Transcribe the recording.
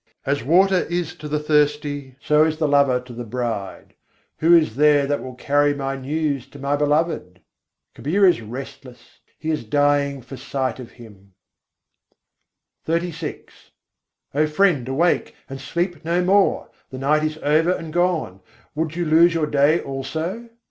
As water is to the thirsty, so is the lover to the bride. Who is there that will carry my news to my Beloved? Kabîr is restless: he is dying for sight of Him. XXXVI II. 126. jâg piyârî, ab kân sowai O friend, awake, and sleep no more! The night is over and gone, would you lose your day also?